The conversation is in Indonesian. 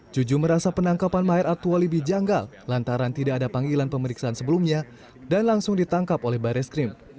juju merasa penangkapan maher atualibi janggal lantaran tidak ada panggilan pemeriksaan sebelumnya dan langsung ditangkap oleh baris krim